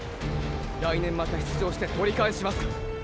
来年また出場して取り返しますか？